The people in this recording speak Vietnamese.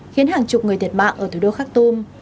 khiến hàng chục người thiệt mạng ở thủ đô khắc tôm